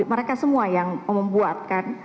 mereka semua yang membuat kan